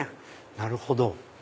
なるほど！